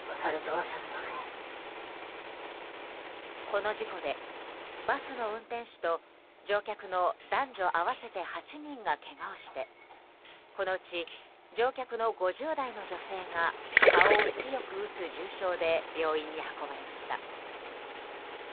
この事故でバスの運転手と乗客の男女合わせて８人がけがをしてこのうち乗客の５０代の女性が顔を強く打つ重傷で病院に運ばれました。